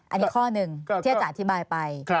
อันนี้ข้อหนึ่งที่อาจารย์อธิบายไป